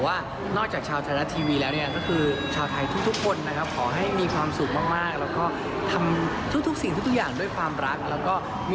เพราะว่าที่ประหยาก็สั่งมาครับผมให้เผลอบ้างครับผม